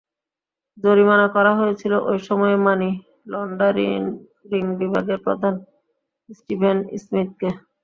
জরিমানা করা হয়েছিল ওই সময়ে মানি লন্ডারিং বিভাগের প্রধান স্টিভেন স্মিথকে।